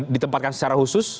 ditempatkan secara khusus